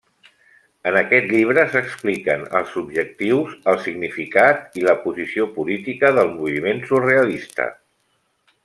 En aquest llibre s'expliquen els objectius, el significat i la posició política del moviment surrealista.